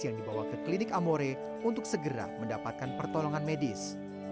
yang dibawa ke klinik amore untuk segera mendapatkan pertolongan medis